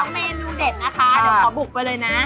เมนูเด็ดนะคะเดี๋ยวขอบุกไปเลยนะ